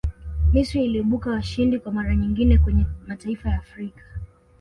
misri iliibuka washindi kwa mara nyingine kwenye mataifa ya afrika